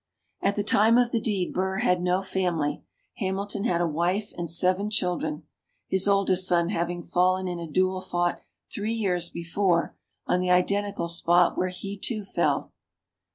At the time of the deed Burr had no family; Hamilton had a wife and seven children, his oldest son having fallen in a duel fought three years before on the identical spot where he, too, fell.